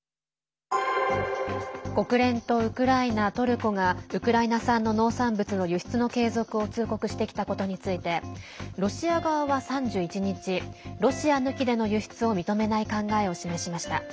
国連とウクライナ、トルコがウクライナ産の農産物の輸出の継続を通告してきたことについてロシア側は３１日ロシア抜きでの輸出を認めない考えを示しました。